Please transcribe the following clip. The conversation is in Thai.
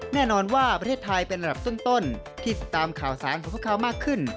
แน่นอนว่าประเทศไทยเป็นระดับต้นที่ติดตามข่าวสารของพวกเขามากขึ้น